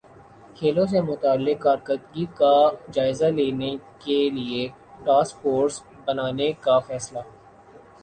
کھیلوں سے متعلق کارکردگی کا جائزہ لینے کیلئے ٹاسک فورس بنانے کا فیصلہ